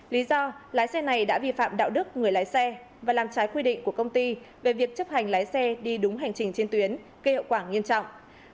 lý do lái xe này đã vi phạm đạo đức người lái xe và làm trái quy định của công ty về việc chấp hành lái xe đi đúng hành trình trên tuyến gây hậu quả nghiêm trọng